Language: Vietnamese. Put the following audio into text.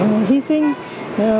không có gì không có gì